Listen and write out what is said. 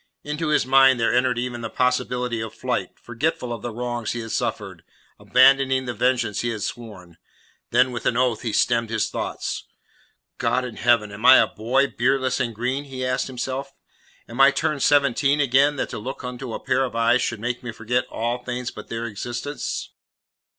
Into his mind there entered even the possibility of flight, forgetful of the wrongs he had suffered, abandoning the vengeance he had sworn. Then with an oath he stemmed his thoughts. "God in heaven, am I a boy, beardless and green?" he asked himself. "Am I turned seventeen again, that to look into a pair of eyes should make me forget all things but their existence?"